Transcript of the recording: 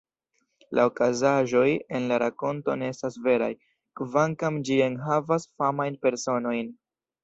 La okazaĵoj en la rakonto ne estas veraj, kvankam ĝi enhavas famajn personojn.